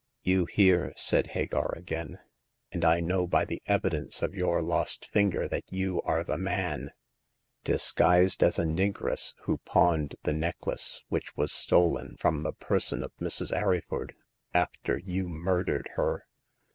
You hear," said Hagar again ;" and I know by the evidence of your lost finger that you are the man, disguised as a negress, who pawned the The Second Customer. 8 c necklace which was stolen from the person of Mrs. Arryford, after you murdered her.